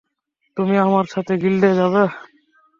তুমি আমার সাথে গিল্ডে যাবে।